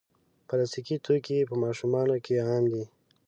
پلاستيکي توکي په ماشومانو کې عام دي.